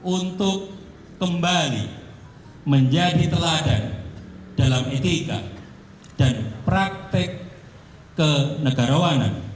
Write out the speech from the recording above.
untuk kembali menjadi teladan dalam etika dan praktek kenegarawanan